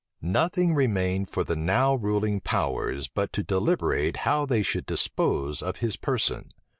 Nothing remained for the now ruling powers but to deliberate how they should dispose of his person.